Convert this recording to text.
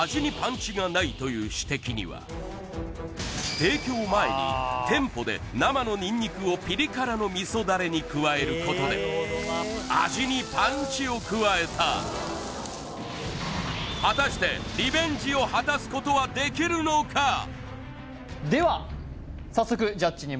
さらに提供前に店舗で生のニンニクをピリ辛の味噌ダレに加えることで味にパンチを加えた果たしてリベンジを果たすことはできるのか安楽亭の従業員